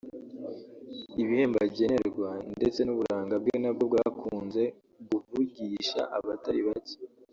ibihembo agenerwa ndetse n’uburanga bwe nabwo bwakunze guvugisha abatari bacye